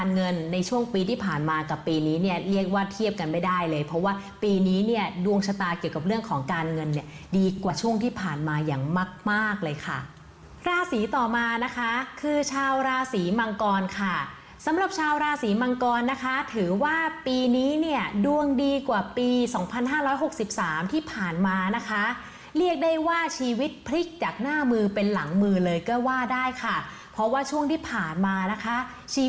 เงินในช่วงปีที่ผ่านมากับปีนี้เนี่ยเรียกว่าเทียบกันไม่ได้เลยเพราะว่าปีนี้เนี่ยดวงชะตาเกี่ยวกับเรื่องของการเงินเนี่ยดีกว่าช่วงที่ผ่านมาอย่างมากเลยค่ะราศีต่อมานะคะคือชาวราศีมังกรค่ะสำหรับชาวราศีมังกรนะคะถือว่าปีนี้เนี่ยดวงดีกว่าปี๒๕๖๓ที่ผ่านมานะคะเรียกได้ว่าชีวิตพริกจ